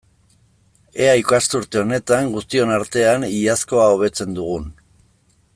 Ea ikasturte honetan, guztion artean, iazkoa hobetzen dugun!